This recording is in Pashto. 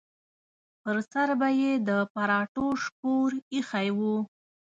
پر سر به یې د پراټو شکور ایښی و.